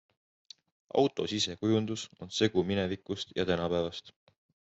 Auto sisekujundus on segu minevikust ja tänapäevast.